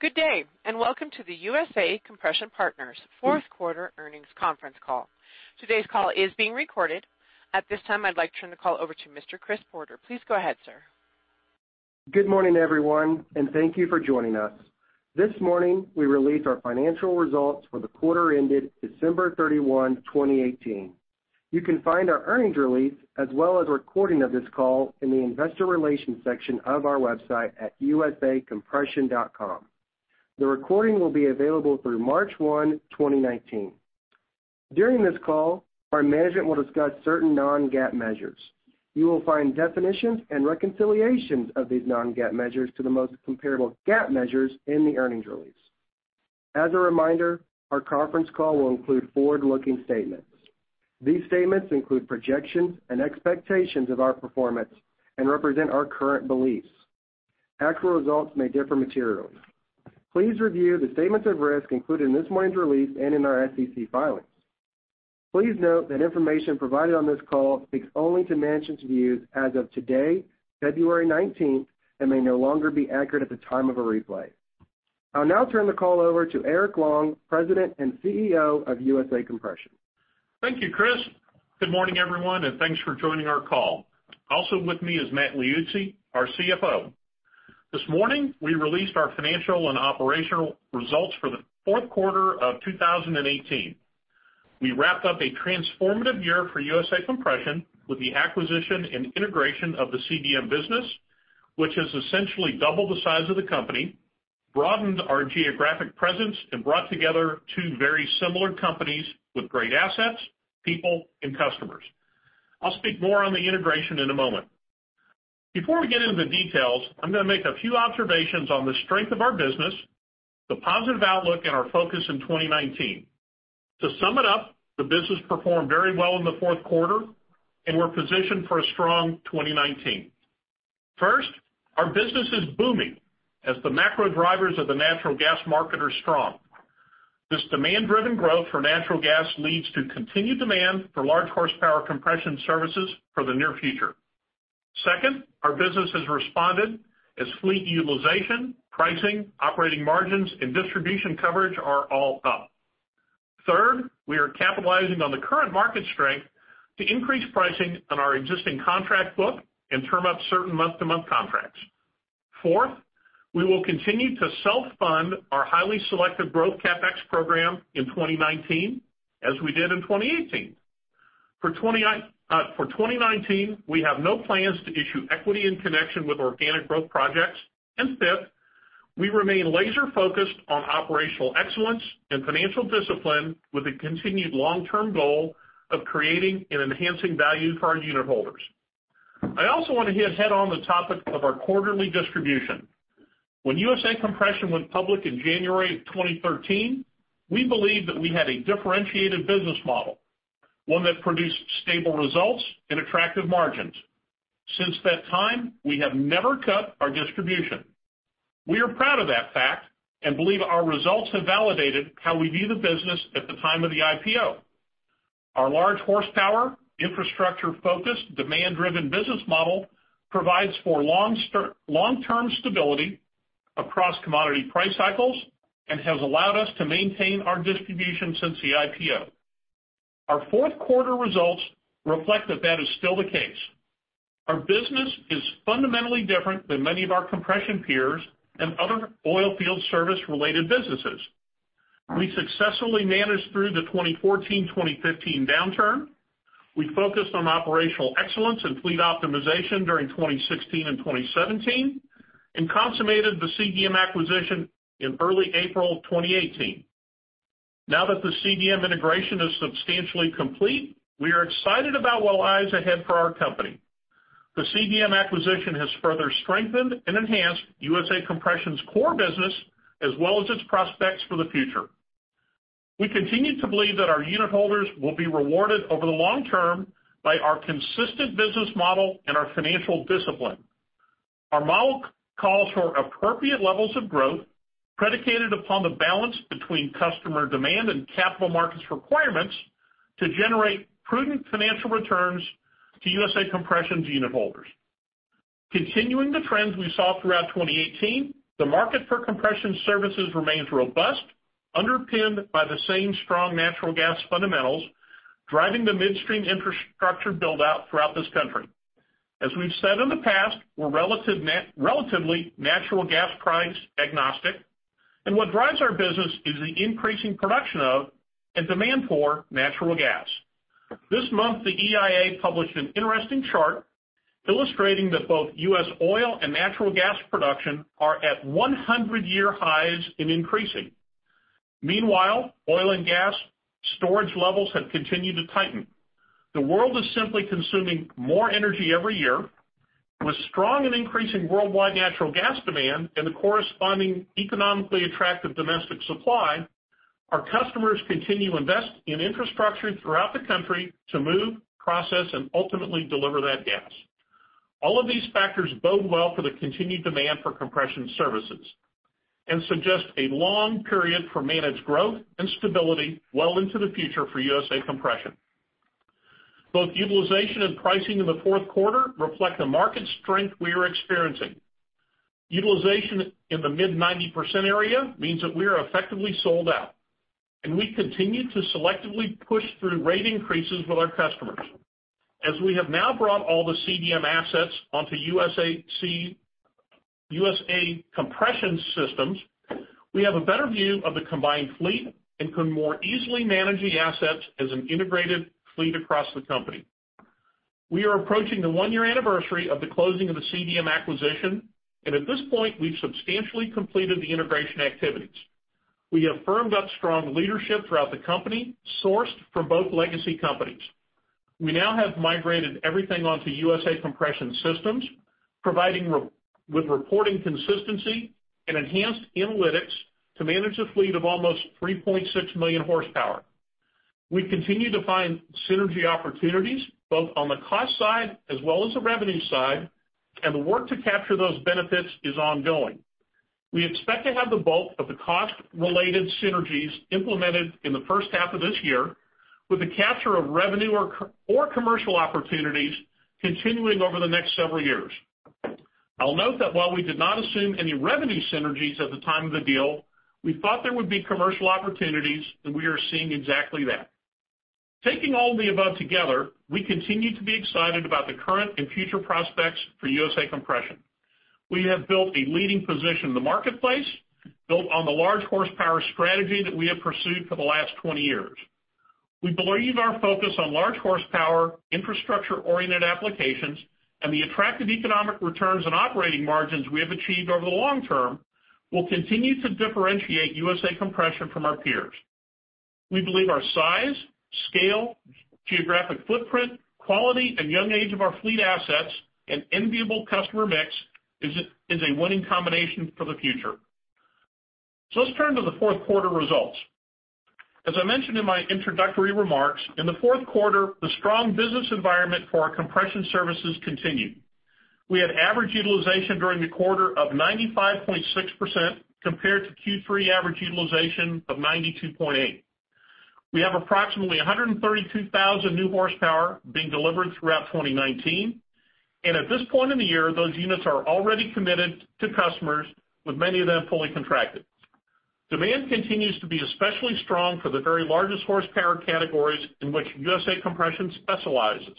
Good day, welcome to the USA Compression Partners fourth quarter earnings conference call. Today's call is being recorded. At this time, I'd like to turn the call over to Mr. Chris Porter. Please go ahead, sir. Good morning, everyone, thank you for joining us. This morning, we released our financial results for the quarter ended December 31, 2018. You can find our earnings release, as well as a recording of this call in the investor relations section of our website at usacompression.com. The recording will be available through March 1, 2019. During this call, our management will discuss certain non-GAAP measures. You will find definitions and reconciliations of these non-GAAP measures to the most comparable GAAP measures in the earnings release. As a reminder, our conference call will include forward-looking statements. These statements include projections and expectations of our performance and represent our current beliefs. Actual results may differ materially. Please review the statements of risk included in this morning's release and in our SEC filings. Please note that information provided on this call speaks only to management's views as of today, February 19th, may no longer be accurate at the time of a replay. I'll now turn the call over to Eric Long, President and CEO of USA Compression. Thank you, Chris. Good morning, everyone, thanks for joining our call. Also with me is Matt Liuzzi, our CFO. This morning, we released our financial and operational results for the fourth quarter of 2018. We wrapped up a transformative year for USA Compression with the acquisition and integration of the CDM business, which has essentially doubled the size of the company, broadened our geographic presence, brought together two very similar companies with great assets, people, and customers. I'll speak more on the integration in a moment. Before we get into the details, I'm going to make a few observations on the strength of our business, the positive outlook, our focus in 2019. To sum it up, the business performed very well in the fourth quarter, we're positioned for a strong 2019. First, our business is booming as the macro drivers of the natural gas market are strong. This demand-driven growth for natural gas leads to continued demand for large horsepower compression services for the near future. Second, our business has responded as fleet utilization, pricing, operating margins, and distribution coverage are all up. Third, we are capitalizing on the current market strength to increase pricing on our existing contract book and term out certain month-to-month contracts. Fourth, we will continue to self-fund our highly selective growth CapEx program in 2019, as we did in 2018. For 2019, we have no plans to issue equity in connection with organic growth projects. Fifth, we remain laser-focused on operational excellence and financial discipline with a continued long-term goal of creating and enhancing value for our unitholders. I also want to hit head-on the topic of our quarterly distribution. When USA Compression went public in January of 2013, we believed that we had a differentiated business model, one that produced stable results and attractive margins. Since that time, we have never cut our distribution. We are proud of that fact and believe our results have validated how we view the business at the time of the IPO. Our large horsepower, infrastructure-focused, demand-driven business model provides for long-term stability across commodity price cycles and has allowed us to maintain our distribution since the IPO. Our fourth quarter results reflect that that is still the case. Our business is fundamentally different than many of our compression peers and other oil field service-related businesses. We successfully managed through the 2014-2015 downturn. We focused on operational excellence and fleet optimization during 2016 and 2017, and consummated the CDM acquisition in early April 2018. Now that the CDM integration is substantially complete, we are excited about what lies ahead for our company. The CDM acquisition has further strengthened and enhanced USA Compression's core business as well as its prospects for the future. We continue to believe that our unitholders will be rewarded over the long term by our consistent business model and our financial discipline. Our model calls for appropriate levels of growth predicated upon the balance between customer demand and capital markets requirements to generate prudent financial returns to USA Compression's unitholders. Continuing the trends we saw throughout 2018, the market for compression services remains robust, underpinned by the same strong natural gas fundamentals driving the midstream infrastructure build-out throughout this country. As we've said in the past, we're relatively natural gas price agnostic, and what drives our business is the increasing production of and demand for natural gas. This month, the EIA published an interesting chart illustrating that both U.S. oil and natural gas production are at 100-year highs and increasing. Meanwhile, oil and gas storage levels have continued to tighten. The world is simply consuming more energy every year. With strong and increasing worldwide natural gas demand and the corresponding economically attractive domestic supply, our customers continue to invest in infrastructure throughout the country to move, process, and ultimately deliver that gas. All of these factors bode well for the continued demand for compression services and suggest a long period for managed growth and stability well into the future for USA Compression. Both utilization and pricing in the fourth quarter reflect the market strength we are experiencing. Utilization in the mid-90% area means that we are effectively sold out, and we continue to selectively push through rate increases with our customers. As we have now brought all the CDM assets onto USA Compression systems, we have a better view of the combined fleet and can more easily manage the assets as an integrated fleet across the company. We are approaching the 1-year anniversary of the closing of the CDM acquisition, and at this point, we've substantially completed the integration activities. We have firmed up strong leadership throughout the company, sourced from both legacy companies. We now have migrated everything onto USA Compression systems, providing with reporting consistency and enhanced analytics to manage a fleet of almost 3.6 million horsepower. We continue to find synergy opportunities both on the cost side as well as the revenue side, and the work to capture those benefits is ongoing. We expect to have the bulk of the cost-related synergies implemented in the first half of this year with the capture of revenue or commercial opportunities continuing over the next several years. I'll note that while we did not assume any revenue synergies at the time of the deal, we thought there would be commercial opportunities and we are seeing exactly that. Taking all the above together, we continue to be excited about the current and future prospects for USA Compression. We have built a leading position in the marketplace, built on the large horsepower strategy that we have pursued for the last 20 years. We believe our focus on large horsepower, infrastructure-oriented applications, and the attractive economic returns and operating margins we have achieved over the long term will continue to differentiate USA Compression from our peers. We believe our size, scale, geographic footprint, quality, and young age of our fleet assets and enviable customer mix is a winning combination for the future. Let's turn to the fourth quarter results. As I mentioned in my introductory remarks, in the fourth quarter, the strong business environment for our compression services continued. We had average utilization during the quarter of 95.6%, compared to Q3 average utilization of 92.8%. We have approximately 132,000 new horsepower being delivered throughout 2019, and at this point in the year, those units are already committed to customers, with many of them fully contracted. Demand continues to be especially strong for the very largest horsepower categories in which USA Compression specializes.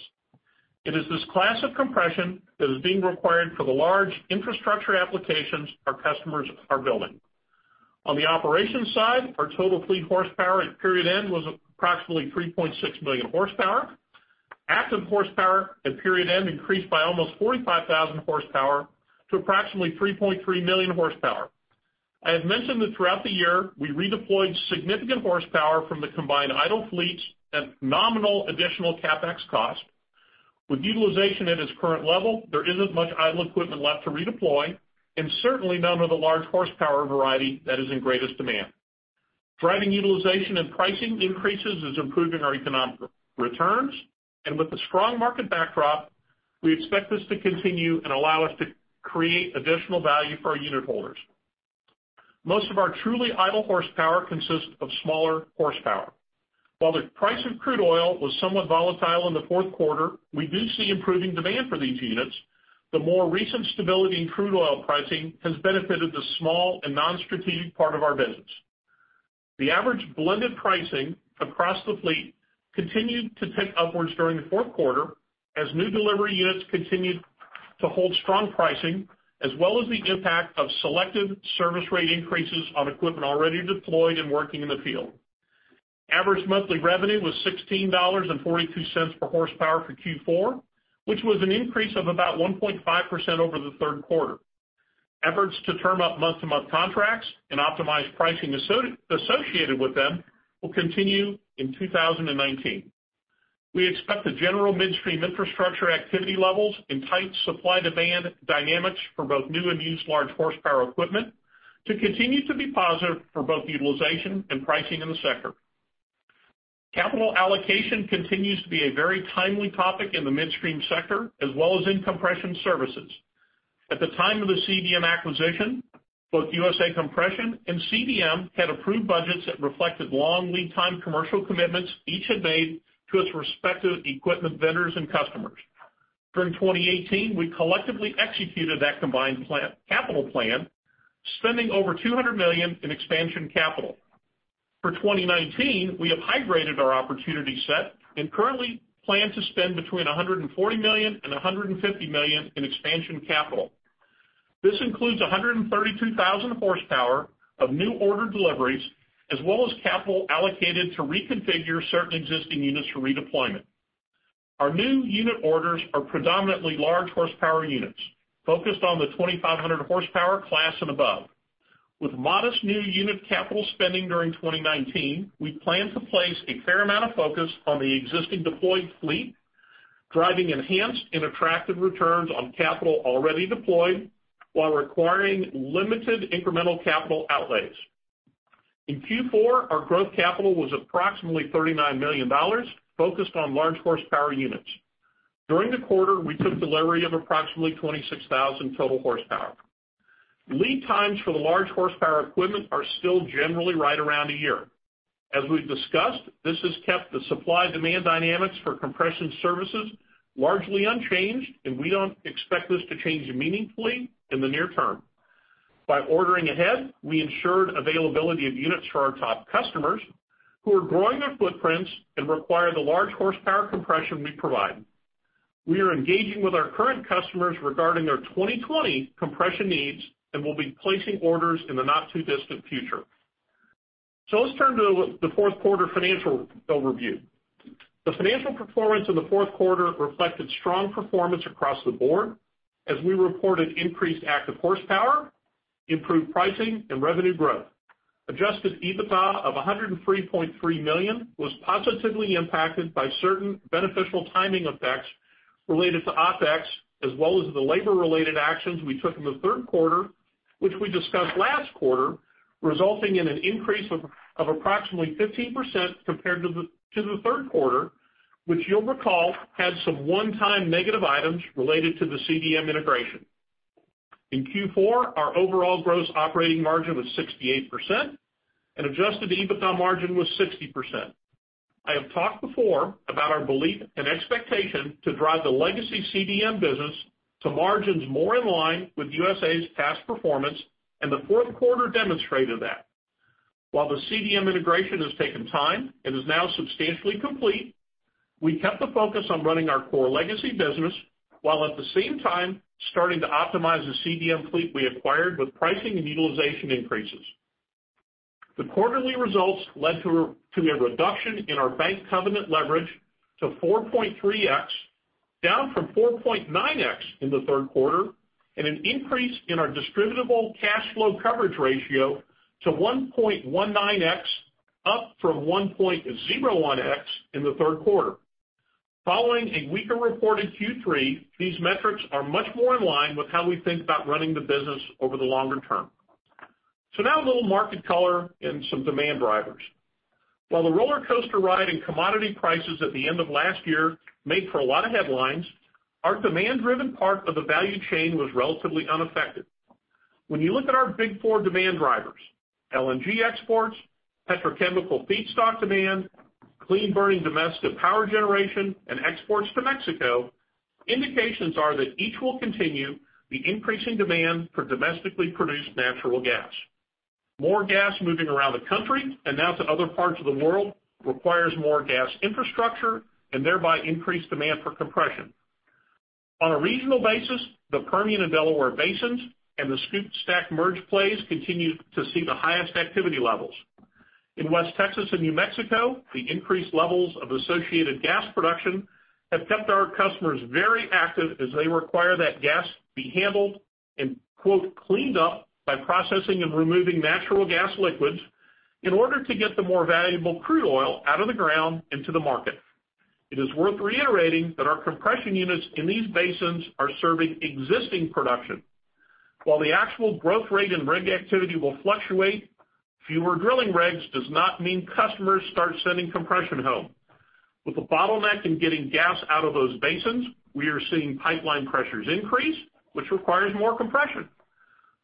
It is this class of compression that is being required for the large infrastructure applications our customers are building. On the operations side, our total fleet horsepower at period end was approximately 3.6 million horsepower. Active horsepower at period end increased by almost 45,000 horsepower to approximately 3.3 million horsepower. I have mentioned that throughout the year, we redeployed significant horsepower from the combined idle fleets at nominal additional CapEx cost. With utilization at its current level, there isn't much idle equipment left to redeploy, and certainly none of the large horsepower variety that is in greatest demand. Driving utilization and pricing increases is improving our economic returns, and with the strong market backdrop, we expect this to continue and allow us to create additional value for our unit holders. Most of our truly idle horsepower consists of smaller horsepower. While the price of crude oil was somewhat volatile in the fourth quarter, we do see improving demand for these units. The more recent stability in crude oil pricing has benefited the small and non-strategic part of our business. The average blended pricing across the fleet continued to tick upwards during the fourth quarter as new delivery units continued to hold strong pricing, as well as the impact of selective service rate increases on equipment already deployed and working in the field. Average monthly revenue was $16.42 per horsepower for Q4, which was an increase of about 1.5% over the third quarter. Efforts to term up month-to-month contracts and optimize pricing associated with them will continue in 2019. We expect the general midstream infrastructure activity levels and tight supply-demand dynamics for both new and used large horsepower equipment to continue to be positive for both utilization and pricing in the sector. Capital allocation continues to be a very timely topic in the midstream sector, as well as in compression services. At the time of the CDM acquisition, both USA Compression and CDM had approved budgets that reflected long lead time commercial commitments each had made to its respective equipment vendors and customers. During 2018, we collectively executed that combined capital plan, spending over $200 million in expansion capital. For 2019, we have high-graded our opportunity set and currently plan to spend between $140 million and $150 million in expansion capital. This includes 132,000 horsepower of new order deliveries, as well as capital allocated to reconfigure certain existing units for redeployment. Our new unit orders are predominantly large horsepower units, focused on the 2,500 horsepower class and above. With modest new unit capital spending during 2019, we plan to place a fair amount of focus on the existing deployed fleet, driving enhanced and attractive returns on capital already deployed while requiring limited incremental capital outlays. In Q4, our growth capital was approximately $39 million, focused on large horsepower units. During the quarter, we took delivery of approximately 26,000 total horsepower. Lead times for the large horsepower equipment are still generally right around a year. As we've discussed, this has kept the supply-demand dynamics for compression services largely unchanged, and we don't expect this to change meaningfully in the near term. By ordering ahead, we ensured availability of units for our top customers who are growing their footprints and require the large horsepower compression we provide. We are engaging with our current customers regarding their 2020 compression needs and will be placing orders in the not-too-distant future. Let's turn to the fourth quarter financial overview. The financial performance in the fourth quarter reflected strong performance across the board as we reported increased active horsepower, improved pricing, and revenue growth. Adjusted EBITDA of $103.3 million was positively impacted by certain beneficial timing effects related to OPEX, as well as the labor-related actions we took in the third quarter, which we discussed last quarter, resulting in an increase of approximately 15% compared to the third quarter, which you'll recall had some one-time negative items related to the CDM integration. In Q4, our overall gross operating margin was 68%, and adjusted EBITDA margin was 60%. I have talked before about our belief and expectation to drive the legacy CDM business to margins more in line with USA's past performance, and the fourth quarter demonstrated that. While the CDM integration has taken time, it is now substantially complete. We kept the focus on running our core legacy business, while at the same time, starting to optimize the CDM fleet we acquired with pricing and utilization increases. The quarterly results led to a reduction in our bank covenant leverage to 4.3x, down from 4.9x in the third quarter, and an increase in our distributable cash flow coverage ratio to 1.19x, up from 1.01x in the third quarter. Following a weaker reported Q3, these metrics are much more in line with how we think about running the business over the longer term. Now a little market color and some demand drivers. While the rollercoaster ride in commodity prices at the end of last year made for a lot of headlines, our demand-driven part of the value chain was relatively unaffected. When you look at our big 4 demand drivers, LNG exports, petrochemical feedstock demand, clean-burning domestic power generation, and exports to Mexico, indications are that each will continue the increasing demand for domestically produced natural gas. More gas moving around the country and now to other parts of the world requires more gas infrastructure and thereby increased demand for compression. On a regional basis, the Permian and Delaware basins and the SCOOP/STACK/Merge plays continue to see the highest activity levels. In West Texas and New Mexico, the increased levels of associated gas production have kept our customers very active as they require that gas be handled and "cleaned up" by processing and removing natural gas liquids in order to get the more valuable crude oil out of the ground into the market. It is worth reiterating that our compression units in these basins are serving existing production. While the actual growth rate in rig activity will fluctuate, fewer drilling rigs does not mean customers start sending compression home. With a bottleneck in getting gas out of those basins, we are seeing pipeline pressures increase, which requires more compression.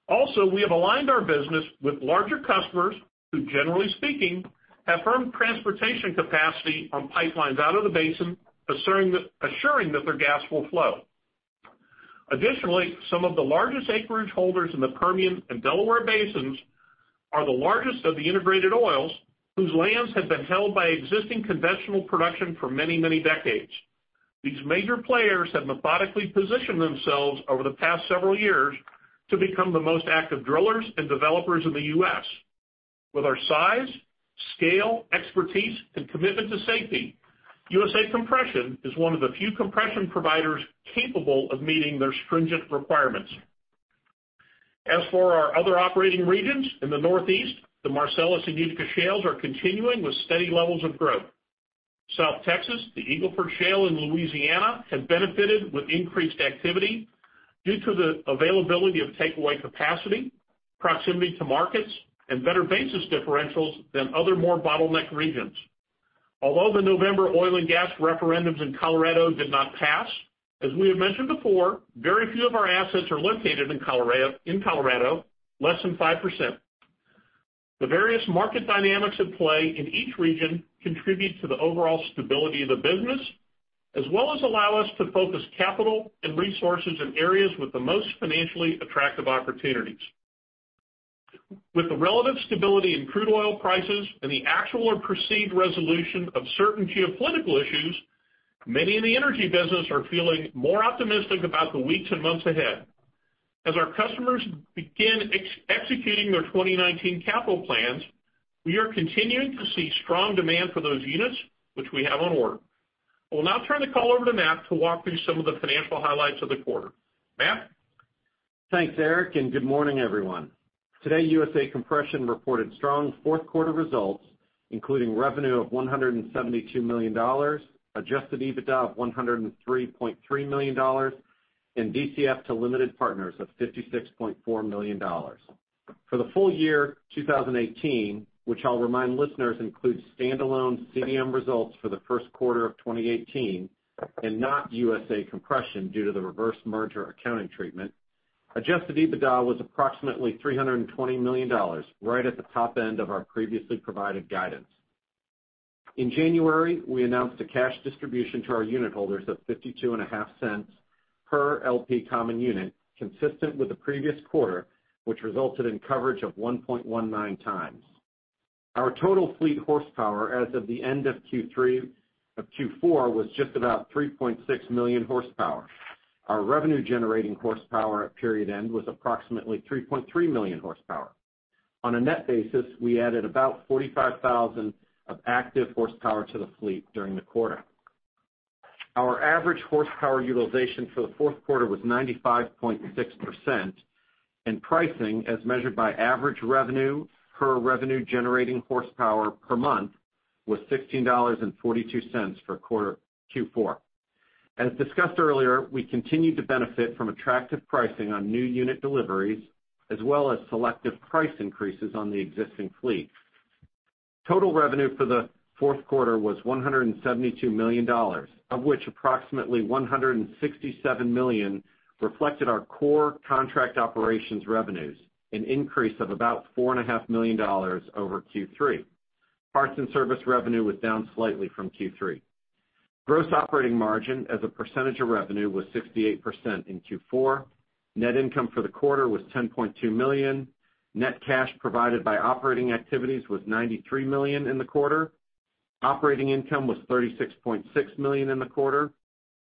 We have aligned our business with larger customers who, generally speaking, have firm transportation capacity on pipelines out of the basin, assuring that their gas will flow. Some of the largest acreage holders in the Permian and Delaware basins are the largest of the integrated oils, whose lands have been held by existing conventional production for many, many decades. These major players have methodically positioned themselves over the past several years to become the most active drillers and developers in the U.S. With our size, scale, expertise, and commitment to safety, USA Compression is one of the few compression providers capable of meeting their stringent requirements. As for our other operating regions in the Northeast, the Marcellus and Utica shales are continuing with steady levels of growth. South Texas, the Eagle Ford Shale in Louisiana have benefited with increased activity due to the availability of takeaway capacity, proximity to markets, and better basis differentials than other more bottlenecked regions. The November oil and gas referendums in Colorado did not pass, as we had mentioned before, very few of our assets are located in Colorado, less than 5%. The various market dynamics at play in each region contribute to the overall stability of the business, as well as allow us to focus capital and resources in areas with the most financially attractive opportunities. With the relative stability in crude oil prices and the actual or perceived resolution of certain geopolitical issues, many in the energy business are feeling more optimistic about the weeks and months ahead. As our customers begin executing their 2019 capital plans, we are continuing to see strong demand for those units, which we have on order. I will now turn the call over to Matt to walk through some of the financial highlights of the quarter. Matt? Thanks, Eric, and good morning, everyone. Today, USA Compression reported strong fourth-quarter results, including revenue of $172 million, adjusted EBITDA of $103.3 million, and DCF to limited partners of $56.4 million. For the full year 2018, which I'll remind listeners includes standalone CDM results for the first quarter of 2018 and not USA Compression due to the reverse merger accounting treatment. Adjusted EBITDA was approximately $320 million, right at the top end of our previously provided guidance. In January, we announced a cash distribution to our unit holders of $0.5250 per LP common unit, consistent with the previous quarter, which resulted in coverage of 1.19 times. Our total fleet horsepower as of the end of Q4 was just about 3.6 million horsepower. Our revenue-generating horsepower at period end was approximately 3.3 million horsepower. On a net basis, we added about 45,000 of active horsepower to the fleet during the quarter. Our average horsepower utilization for the fourth quarter was 95.6%, and pricing, as measured by average revenue per revenue-generating horsepower per month, was $16.42 for Q4. As discussed earlier, we continued to benefit from attractive pricing on new unit deliveries, as well as selective price increases on the existing fleet. Total revenue for the fourth quarter was $172 million, of which approximately $167 million reflected our core contract operations revenues, an increase of about $4.5 million over Q3. Parts and service revenue was down slightly from Q3. Gross operating margin as a percentage of revenue was 68% in Q4. Net income for the quarter was $10.2 million. Net cash provided by operating activities was $93 million in the quarter. Operating income was $36.6 million in the quarter,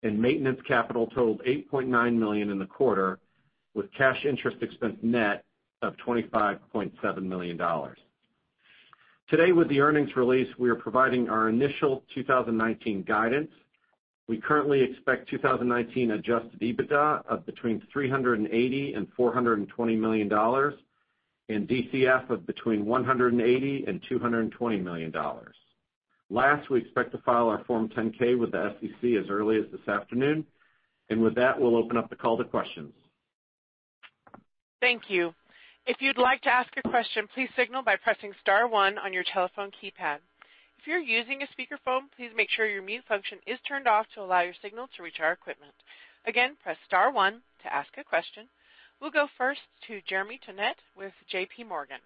and maintenance capital totaled $8.9 million in the quarter, with cash interest expense net of $25.7 million. Today with the earnings release, we are providing our initial 2019 guidance. We currently expect 2019 adjusted EBITDA of between $380 million and $420 million, and DCF of between $180 million and $220 million. Last, we expect to file our Form 10-K with the SEC as early as this afternoon. With that, we'll open up the call to questions. Thank you. If you'd like to ask a question, please signal by pressing *1 on your telephone keypad. If you're using a speakerphone, please make sure your mute function is turned off to allow your signal to reach our equipment. Again, press *1 to ask a question. We'll go first to Jeremy Tonet with J.P. Morgan.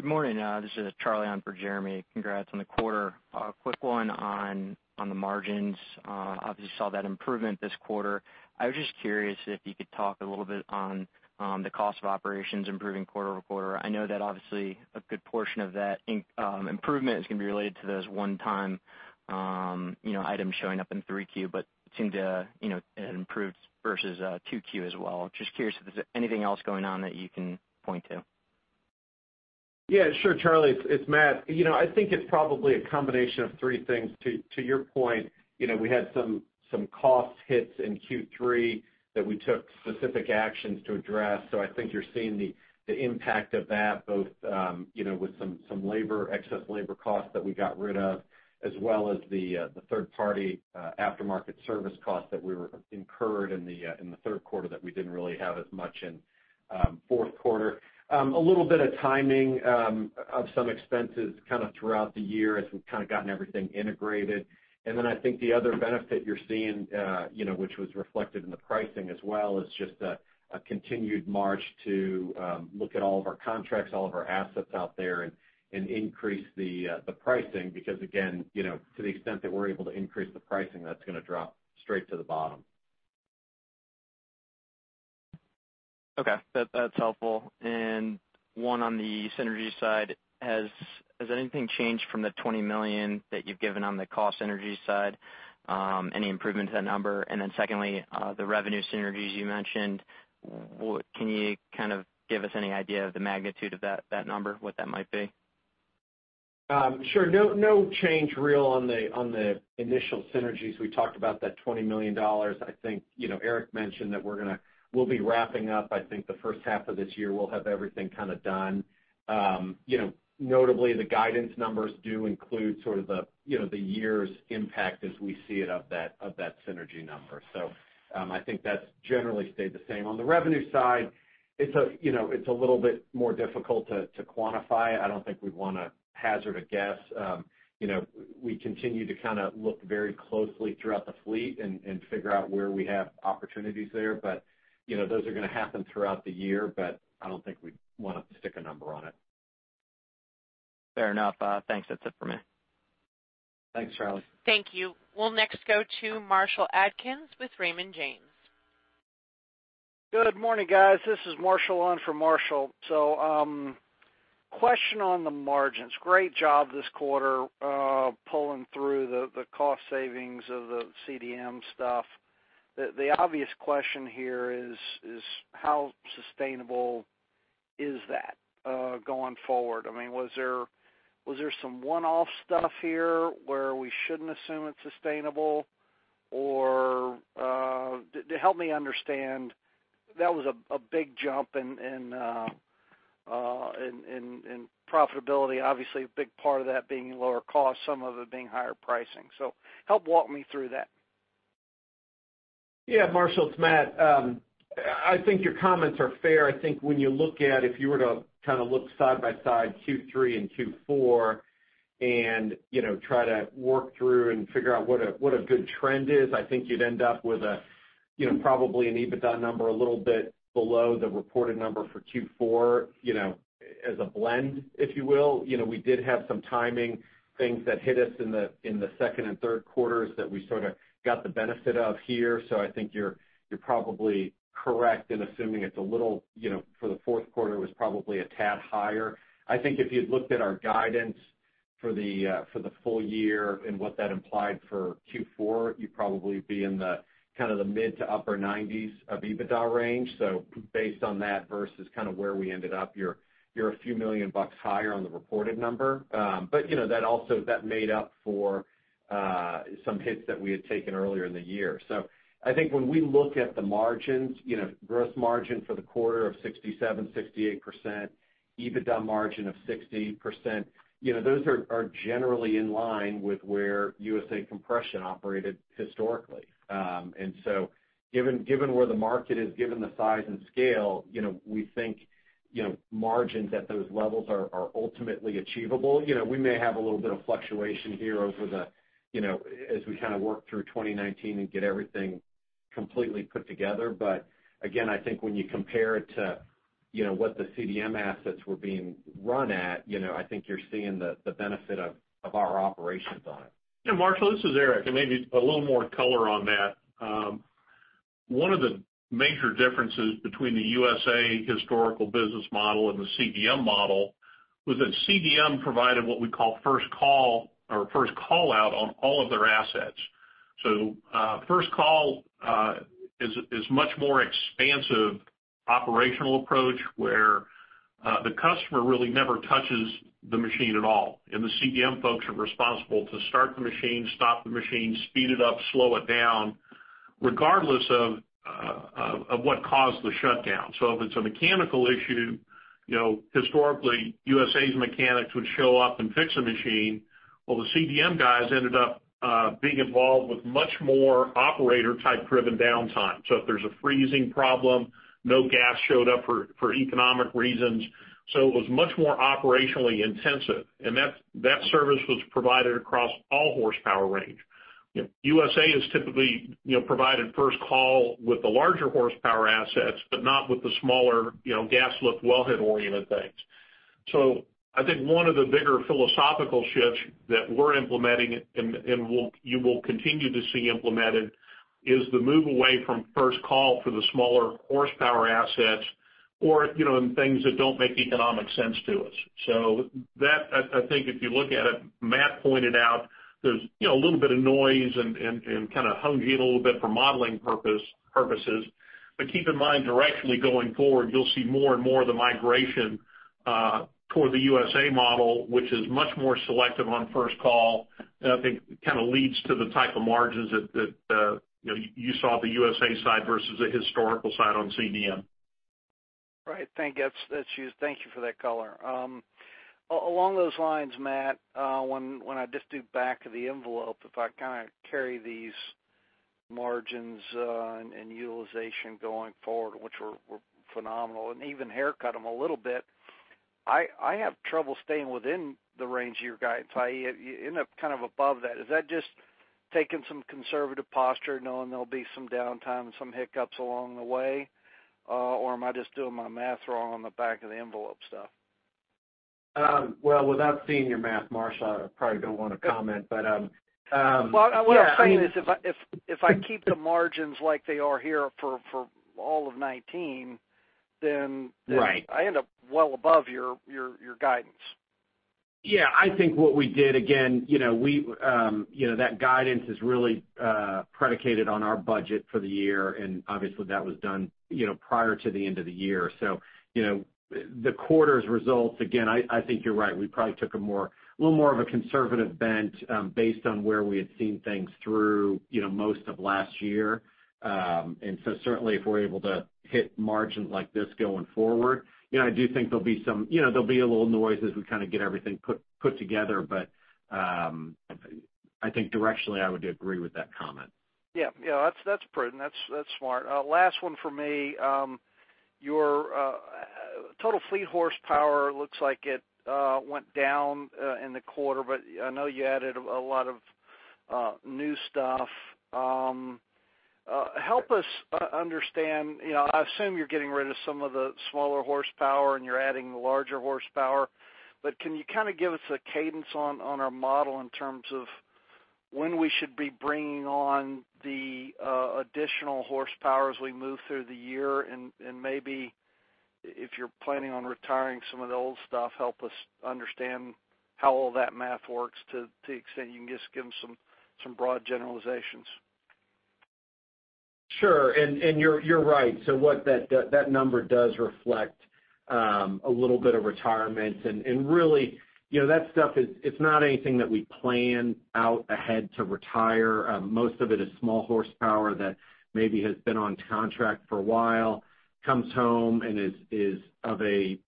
Good morning. This is Charlie on for Jeremy. Congrats on the quarter. A quick one on the margins. Obviously saw that improvement this quarter. I was just curious if you could talk a little bit on the cost of operations improving quarter-over-quarter. I know that obviously a good portion of that improvement is going to be related to those one-time items showing up in 3Q, but it seemed to it improved versus 2Q as well. Just curious if there's anything else going on that you can point to. Yeah, sure, Charlie. It's Matt. I think it's probably a combination of three things. To your point, we had some cost hits in Q3 that we took specific actions to address. I think you're seeing the impact of that, both with some excess labor costs that we got rid of, as well as the third-party aftermarket service costs that we incurred in the third quarter that we didn't really have as much in fourth quarter. A little bit of timing of some expenses kind of throughout the year as we've kind of gotten everything integrated. I think the other benefit you're seeing, which was reflected in the pricing as well, is just a continued march to look at all of our contracts, all of our assets out there and increase the pricing. Again, to the extent that we're able to increase the pricing, that's going to drop straight to the bottom. Okay. That's helpful. One on the synergy side, has anything changed from the $20 million that you've given on the cost synergy side? Any improvement to that number? Secondly, the revenue synergies you mentioned, can you kind of give us any idea of the magnitude of that number, what that might be? Sure. No change real on the initial synergies. We talked about that $20 million. I think Eric mentioned that we'll be wrapping up, I think the first half of this year, we'll have everything kind of done. Notably, the guidance numbers do include sort of the year's impact as we see it of that synergy number. I think that's generally stayed the same. On the revenue side, it's a little bit more difficult to quantify. I don't think we'd want to hazard a guess. We continue to kind of look very closely throughout the fleet and figure out where we have opportunities there. Those are going to happen throughout the year, but I don't think we'd want to stick a number on it. Fair enough. Thanks. That's it for me. Thanks, Charlie. Thank you. We'll next go to Marshall Adkins with Raymond James. Good morning, guys. This is Marshall on for Marshall. Question on the margins. Great job this quarter pulling through the cost savings of the CDM stuff. The obvious question here is how sustainable is that going forward? I mean, was there some one-off stuff here where we shouldn't assume it's sustainable? Help me understand, that was a big jump in profitability, obviously a big part of that being lower cost, some of it being higher pricing. Help walk me through that. Yeah, Marshall, it's Matt. I think your comments are fair. I think when you look at, if you were to kind of look side by side Q3 and Q4 and try to work through and figure out what a good trend is. I think you'd end up with probably an EBITDA number a little bit below the reported number for Q4, as a blend, if you will. We did have some timing things that hit us in the second and third quarters that we sort of got the benefit of here. I think you're probably correct in assuming it's a little, for the fourth quarter, it was probably a tad higher. I think if you'd looked at our guidance for the full year and what that implied for Q4, you'd probably be in the mid to upper 90s of EBITDA range. Based on that versus where we ended up, you're a few million bucks higher on the reported number. That also made up for some hits that we had taken earlier in the year. I think when we look at the margins, gross margin for the quarter of 67%, 68%, EBITDA margin of 60%, those are generally in line with where USA Compression operated historically. Given where the market is, given the size and scale, we think margins at those levels are ultimately achievable. We may have a little bit of fluctuation here as we kind of work through 2019 and get everything completely put together. Again, I think when you compare it to what the CDM assets were being run at, I think you're seeing the benefit of our operations on it. Marshall, this is Eric, maybe a little more color on that. One of the major differences between the USA historical business model and the CDM model was that CDM provided what we call first call or first call out on all of their assets. First call is much more expansive operational approach where the customer really never touches the machine at all. The CDM folks are responsible to start the machine, stop the machine, speed it up, slow it down, regardless of what caused the shutdown. If it's a mechanical issue, historically, USA's mechanics would show up and fix a machine. Well, the CDM guys ended up being involved with much more operator type driven downtime. If there's a freezing problem, no gas showed up for economic reasons. It was much more operationally intensive, and that service was provided across all horsepower range. USA has typically provided first call with the larger horsepower assets, but not with the smaller gas lift wellhead-oriented things. I think one of the bigger philosophical shifts that we're implementing and you will continue to see implemented is the move away from first call for the smaller horsepower assets or in things that don't make economic sense to us. That, I think if you look at it, Matt pointed out there's a little bit of noise and kind of hung you a little bit for modeling purposes. Keep in mind, directionally going forward, you'll see more and more of the migration toward the USA model, which is much more selective on first call. I think kind of leads to the type of margins that you saw the USA side versus the historical side on CDM. Right. Thank you for that color. Along those lines, Matt, when I just do back of the envelope, if I kind of carry these margins and utilization going forward, which were phenomenal, and even haircut them a little bit, I have trouble staying within the range of your guidance, i.e., you end up kind of above that. Is that just taking some conservative posture knowing there'll be some downtime and some hiccups along the way? Or am I just doing my math wrong on the back of the envelope stuff? Well, without seeing your math, Marshall, I probably don't want to comment. Well, what I'm saying is if I keep the margins like they are here for all of 2019. Right I end up well above your guidance. Yeah, I think what we did, again, that guidance is really predicated on our budget for the year, and obviously that was done prior to the end of the year. The quarter's results, again, I think you're right. We probably took a little more of a conservative bent based on where we had seen things through most of last year. Certainly if we're able to hit margins like this going forward, I do think there'll be a little noise as we kind of get everything put together. I think directionally, I would agree with that comment. Yeah. That's prudent. That's smart. Last one for me. Your total fleet horsepower looks like it went down in the quarter, but I know you added a lot of new stuff. Help us understand. I assume you're getting rid of some of the smaller horsepower and you're adding the larger horsepower, but can you kind of give us a cadence on our model in terms of when we should be bringing on the additional horsepower as we move through the year? Maybe if you're planning on retiring some of the old stuff, help us understand how all that math works to the extent you can just give us some broad generalizations. Sure. You're right. What that number does reflect a little bit of retirement and really, that stuff is not anything that we plan out ahead to retire. Most of it is small horsepower that maybe has been on contract for a while, comes home and is of a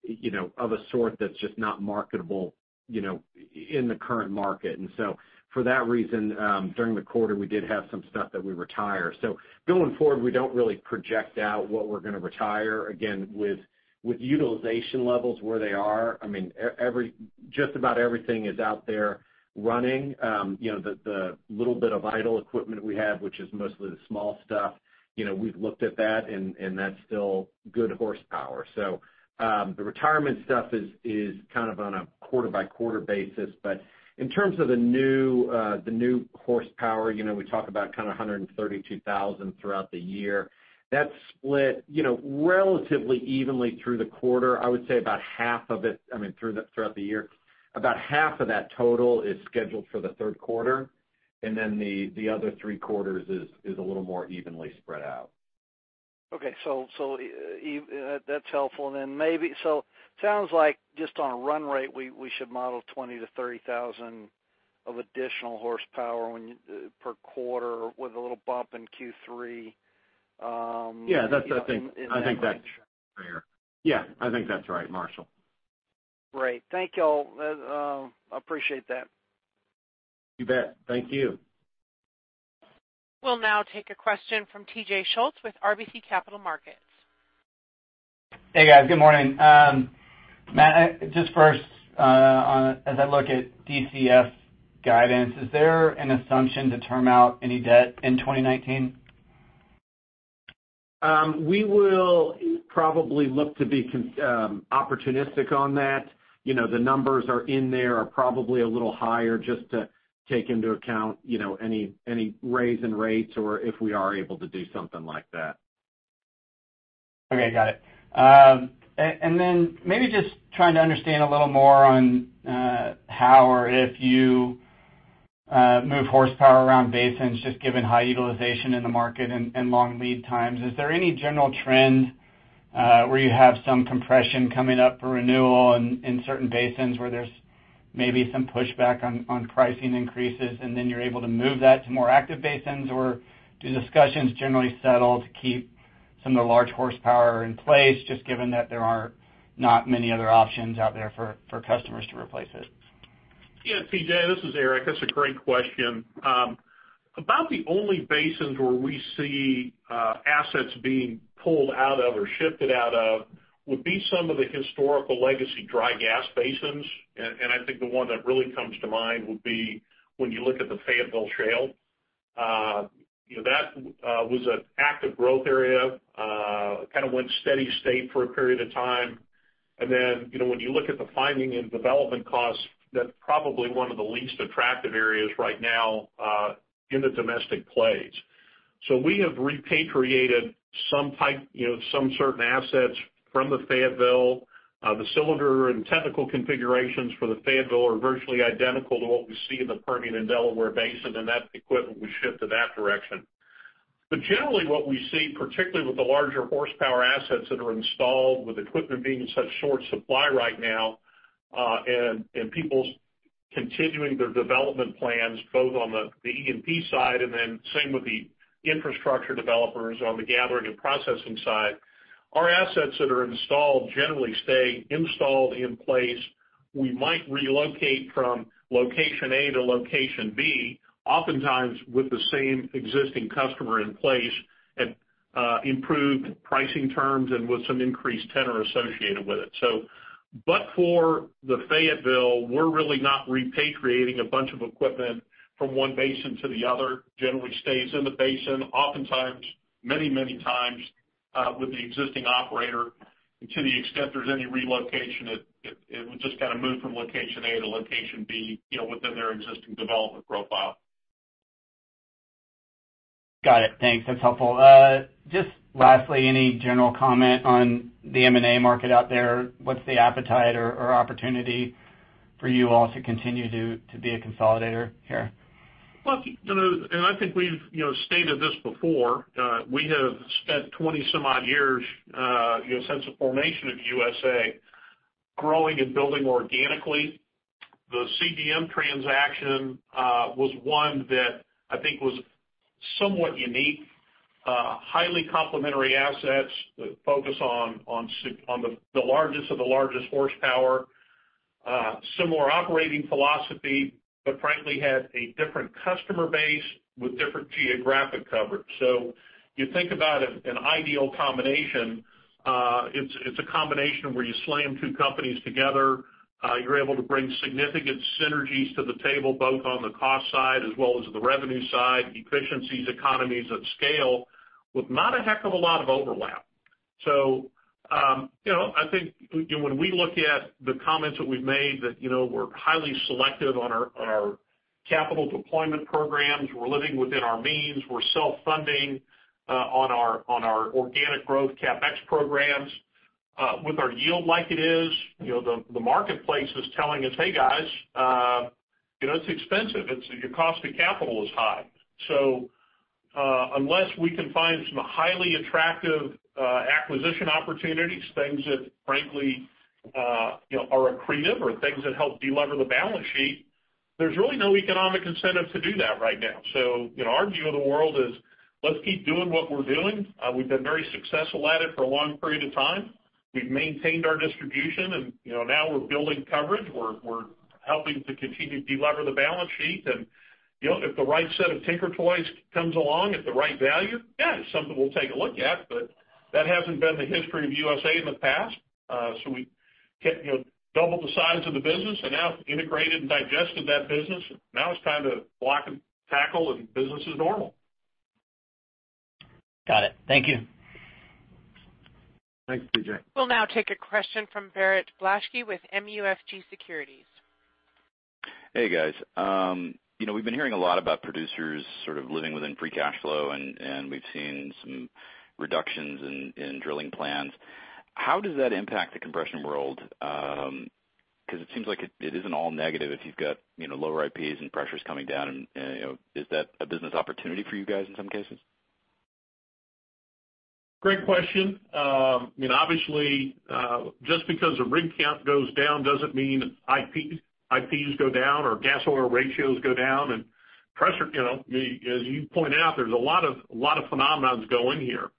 sort that's just not marketable in the current market. For that reason, during the quarter, we did have some stuff that we retired. Going forward, we don't really project out what we're going to retire. Again, with utilization levels where they are, I mean, just about everything is out there running. The little bit of idle equipment we have, which is mostly the small stuff. We've looked at that, and that's still good horsepower. The retirement stuff is kind of on a quarter-by-quarter basis. In terms of the new horsepower, we talk about kind of 132,000 throughout the year. That's split relatively evenly through the quarter. I would say, I mean, throughout the year. About half of that total is scheduled for the third quarter, the other three quarters is a little more evenly spread out. Okay. That's helpful. Sounds like just on a run rate, we should model 20,000-30,000 of additional horsepower per quarter with a little bump in Q3. Yeah, I think that's fair. Yeah, I think that's right, Marshall. Great. Thank you all. I appreciate that. You bet. Thank you. We'll now take a question from T.J. Schultz with RBC Capital Markets. Hey, guys. Good morning. Matt, just first, as I look at DCF guidance, is there an assumption to term out any debt in 2019? We will probably look to be opportunistic on that. The numbers are in there are probably a little higher just to take into account any raise in rates or if we are able to do something like that. Okay, got it. Maybe just trying to understand a little more on how or if you move horsepower around basins, just given high utilization in the market and long lead times. Is there any general trend where you have some compression coming up for renewal in certain basins where there's maybe some pushback on pricing increases, and then you're able to move that to more active basins? Do discussions generally settle to keep some of the large horsepower in place, just given that there are not many other options out there for customers to replace it? T.J., this is Eric. That's a great question. About the only basins where we see assets being pulled out of or shifted out of would be some of the historical legacy dry gas basins. I think the one that really comes to mind would be when you look at the Fayetteville Shale. That was an active growth area. Kind of went steady state for a period of time. When you look at the finding and development costs, that's probably one of the least attractive areas right now in the domestic plays. We have repatriated some certain assets from the Fayetteville. The cylinder and technical configurations for the Fayetteville are virtually identical to what we see in the Permian and Delaware Basin, and that equipment we ship to that direction. Generally what we see, particularly with the larger horsepower assets that are installed with equipment being in such short supply right now, and people continuing their development plans both on the E&P side and same with the infrastructure developers on the gathering and processing side. Our assets that are installed generally stay installed in place. We might relocate from location A to location B, oftentimes with the same existing customer in place at improved pricing terms and with some increased tenor associated with it. For the Fayetteville, we're really not repatriating a bunch of equipment from one basin to the other. Generally stays in the basin, oftentimes, many times, with the existing operator. To the extent there's any relocation, it would just kind of move from location A to location B within their existing development profile. Got it. Thanks. That's helpful. Just lastly, any general comment on the M&A market out there? What's the appetite or opportunity for you all to continue to be a consolidator here? I think we've stated this before. We have spent 20 some odd years, since the formation of USA, growing and building organically. The CDM transaction was one that I think was somewhat unique. Highly complementary assets that focus on the largest of the largest horsepower. Similar operating philosophy, frankly, had a different customer base with different geographic coverage. You think about an ideal combination, it's a combination where you slam two companies together, you're able to bring significant synergies to the table, both on the cost side as well as the revenue side, efficiencies, economies of scale, with not a heck of a lot of overlap. I think when we look at the comments that we've made that we're highly selective on our capital deployment programs. We're living within our means. We're self-funding on our organic growth CapEx programs. With our yield like it is, the marketplace is telling us, "Hey guys, it's expensive. Your cost of capital is high." Unless we can find some highly attractive acquisition opportunities, things that frankly are accretive or things that help de-lever the balance sheet, there's really no economic incentive to do that right now. Our view of the world is, let's keep doing what we're doing. We've been very successful at it for a long period of time. We've maintained our distribution, now we're building coverage. We're helping to continue to de-lever the balance sheet. If the right set of tinker toys comes along at the right value, yeah, it's something we'll take a look at. That hasn't been the history of USA in the past. Doubled the size of the business and now integrated and digested that business. Now it's time to block and tackle, business as normal. Got it. Thank you. Thanks, T.J. We'll now take a question from Barrett Blaschke with MUFG Securities. Hey, guys. We've been hearing a lot about producers sort of living within free cash flow, and we've seen some reductions in drilling plans. How does that impact the compression world? Because it seems like it isn't all negative if you've got lower IPs and pressures coming down. Is that a business opportunity for you guys in some cases? Great question. Obviously, just because the rig count goes down doesn't mean IPs go down or gas oil ratios go down. As you pointed out, there's a lot of phenomena going here.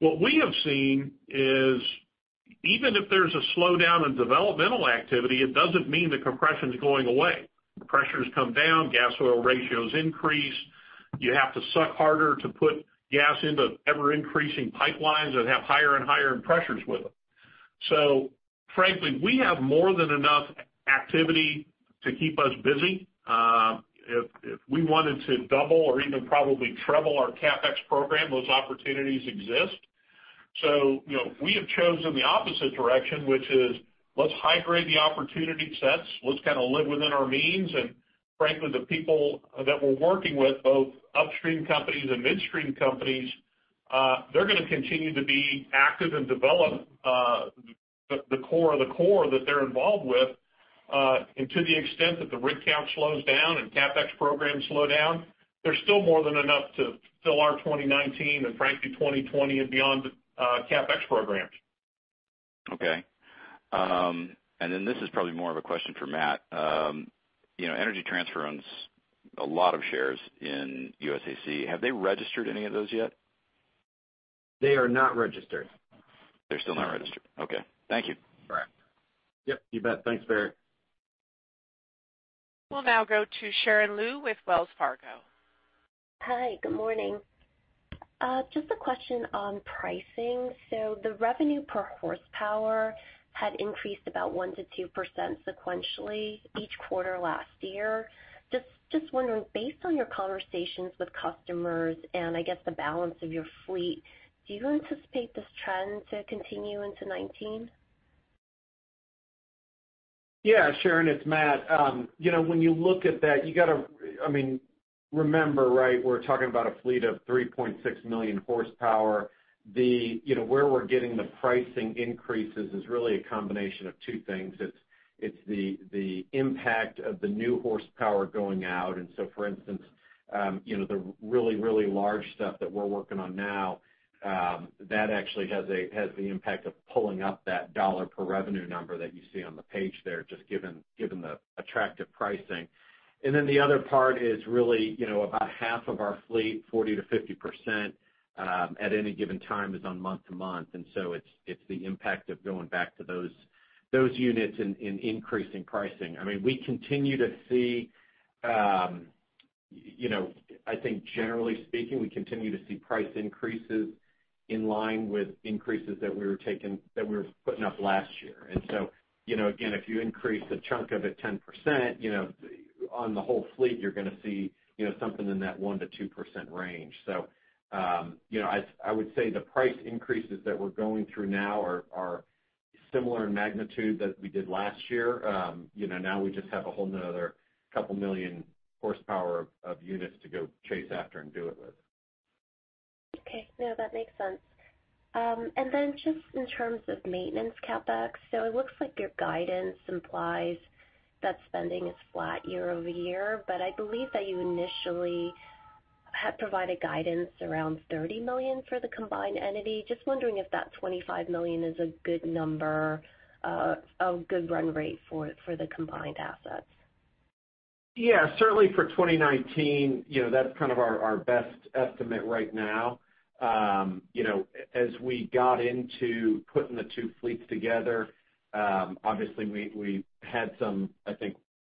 What we have seen is even if there's a slowdown in developmental activity, it doesn't mean the compression's going away. The pressures come down, gas oil ratios increase. You have to suck harder to put gas into ever-increasing pipelines that have higher and higher pressures with them. Frankly, we have more than enough activity to keep us busy. If we wanted to double or even probably treble our CapEx program, those opportunities exist. We have chosen the opposite direction, which is let's high-grade the opportunity sets, let's kind of live within our means. Frankly, the people that we're working with, both upstream companies and midstream companies, they're going to continue to be active and develop the core of the core that they're involved with. To the extent that the rig count slows down and CapEx programs slow down, there's still more than enough to fill our 2019 and frankly, 2020 and beyond CapEx programs. Okay. Then this is probably more of a question for Matt. Energy Transfer owns a lot of shares in USAC. Have they registered any of those yet? They are not registered. They're still not registered. Okay. Thank you. Correct. Yep. You bet. Thanks, Barrett. We'll now go to Sharon Lu with Wells Fargo. Hi. Good morning. Just a question on pricing. The revenue per horsepower had increased about 1%-2% sequentially each quarter last year. Just wondering, based on your conversations with customers and I guess the balance of your fleet, do you anticipate this trend to continue into 2019? Yeah, Sharon, it's Matt. When you look at that, you got to remember, right, we're talking about a fleet of 3.6 million horsepower. Where we're getting the pricing increases is really a combination of two things. It's the impact of the new horsepower going out. For instance, the really large stuff that we're working on now, that actually has the impact of pulling up that dollar per revenue number that you see on the page there, just given the attractive pricing. The other part is really about half of our fleet, 40%-50% at any given time is on month-to-month. It's the impact of going back to those units and increasing pricing. I think generally speaking, we continue to see price increases in line with increases that we were putting up last year. Again, if you increase a chunk of it 10%, on the whole fleet, you're going to see something in that 1%-2% range. I would say the price increases that we're going through now are similar in magnitude that we did last year. Now we just have a whole another couple million horsepower of units to go chase after and do it with. Okay. No, that makes sense. Just in terms of maintenance CapEx, it looks like your guidance implies that spending is flat year-over-year, but I believe that you initially had provided guidance around $30 million for the combined entity. Just wondering if that $25 million is a good number, a good run rate for the combined assets. Yeah, certainly for 2019, that's kind of our best estimate right now. As we got into putting the two fleets together, obviously we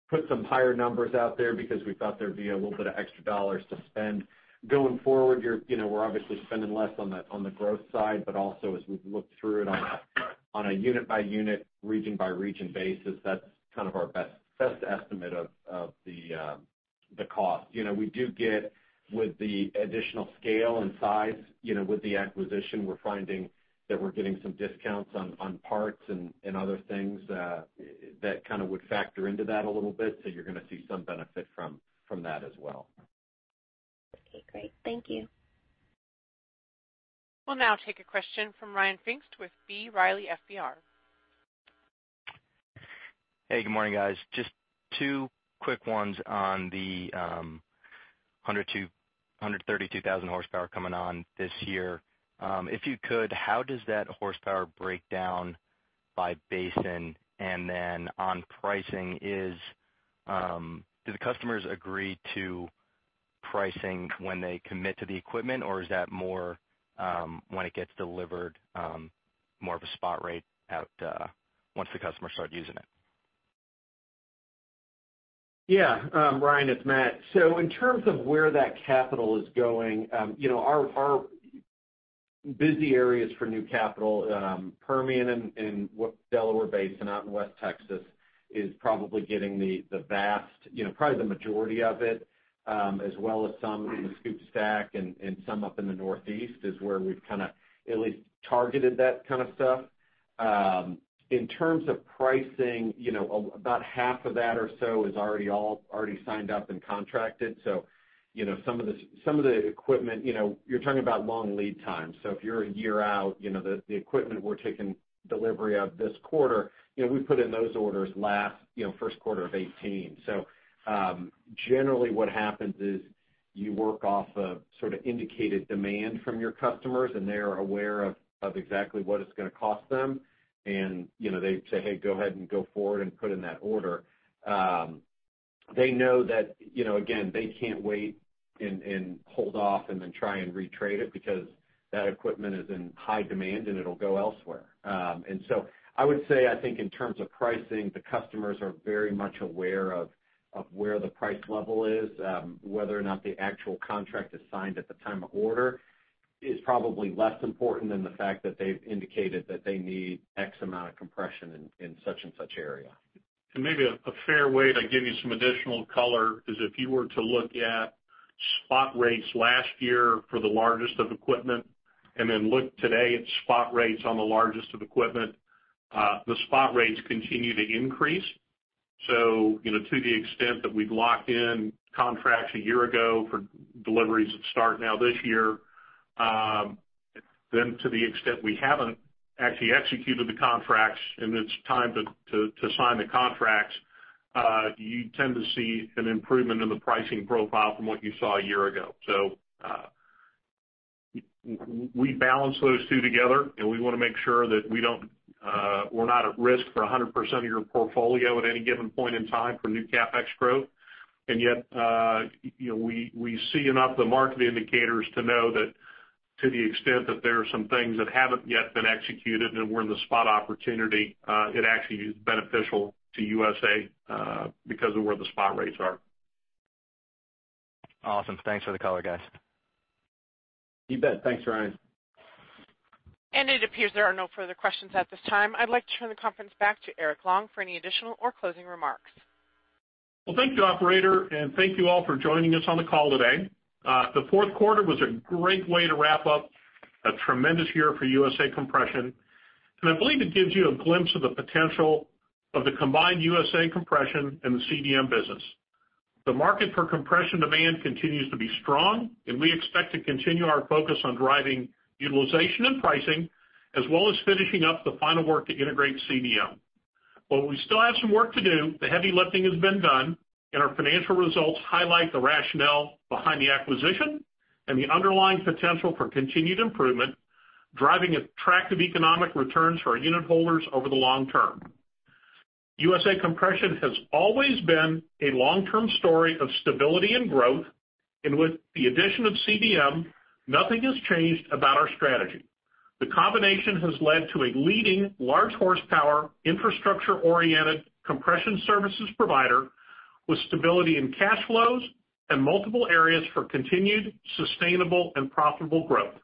put some higher numbers out there because we thought there'd be a little bit of extra dollars to spend. Going forward, we're obviously spending less on the growth side, but also as we've looked through it on a unit-by-unit, region-by-region basis, that's kind of our best estimate of the cost. With the additional scale and size with the acquisition, we're finding that we're getting some discounts on parts and other things that kind of would factor into that a little bit. You're going to see some benefit from that as well. Okay, great. Thank you. We'll now take a question from Ryan Pfingst with B. Riley FBR. Hey, good morning, guys. Just two quick ones on the 132,000 horsepower coming on this year. If you could, how does that horsepower break down by basin? On pricing, do the customers agree to pricing when they commit to the equipment, or is that more when it gets delivered, more of a spot rate once the customers start using it? Yeah. Ryan, it's Matt. In terms of where that capital is going, our busy areas for new capital, Permian and Delaware Basin out in West Texas is probably getting the vast majority of it, as well as some in the SCOOP/STACK and some up in the Northeast is where we've kind of at least targeted that kind of stuff. In terms of pricing, about half of that or so is already signed up and contracted. Some of the equipment you're talking about long lead times. If you're a year out, the equipment we're taking delivery of this quarter, we put in those orders last first quarter of 2018. Generally, what happens is you work off a sort of indicated demand from your customers, and they are aware of exactly what it's going to cost them. They say, "Hey, go ahead and go forward and put in that order." They know that, again, they can't wait and hold off and then try and re-trade it because that equipment is in high demand, and it'll go elsewhere. I would say, I think in terms of pricing, the customers are very much aware of where the price level is. Whether or not the actual contract is signed at the time of order is probably less important than the fact that they've indicated that they need X amount of compression in such and such area. Maybe a fair way to give you some additional color is if you were to look at spot rates last year for the largest of equipment and then look today at spot rates on the largest of equipment, the spot rates continue to increase. To the extent that we've locked in contracts a year ago for deliveries that start now this year, then to the extent we haven't actually executed the contracts and it's time to sign the contracts, you tend to see an improvement in the pricing profile from what you saw a year ago. We balance those two together, and we want to make sure that we're not at risk for 100% of your portfolio at any given point in time for new CapEx growth. Yet, we see enough the market indicators to know that to the extent that there are some things that haven't yet been executed and we're in the spot opportunity, it actually is beneficial to USA, because of where the spot rates are. Awesome. Thanks for the color, guys. You bet. Thanks, Ryan. It appears there are no further questions at this time. I'd like to turn the conference back to Eric Long for any additional or closing remarks. Well, thank you, operator, and thank you all for joining us on the call today. The fourth quarter was a great way to wrap up a tremendous year for USA Compression, and I believe it gives you a glimpse of the potential of the combined USA Compression and the CDM business. The market for compression demand continues to be strong, and we expect to continue our focus on driving utilization and pricing, as well as finishing up the final work to integrate CDM. While we still have some work to do, the heavy lifting has been done, and our financial results highlight the rationale behind the acquisition and the underlying potential for continued improvement, driving attractive economic returns for our unit holders over the long term. USA Compression has always been a long-term story of stability and growth, and with the addition of CDM, nothing has changed about our strategy. The combination has led to a leading large horsepower, infrastructure-oriented compression services provider with stability in cash flows and multiple areas for continued, sustainable, and profitable growth.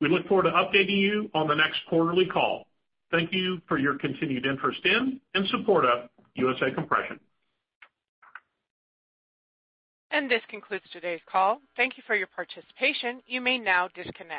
We look forward to updating you on the next quarterly call. Thank you for your continued interest in and support of USA Compression. This concludes today's call. Thank you for your participation. You may now disconnect.